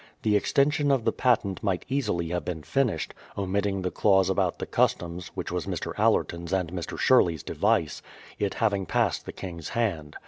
The extension of the patent might easily have been finished, omitting the clause about the customs (which was Mr. Allerton's and Mr. Sherley's device), it having passed the king's hand.